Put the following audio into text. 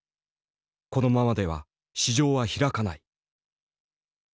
このままでは市場は開かない。